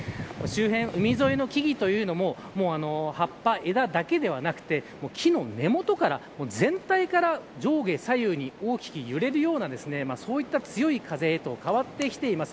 周辺、海沿いの木々も葉っぱ、枝だけではなくて木の根元から、全体から上下左右に大きく揺れるようなそういった強い風に変わってきています。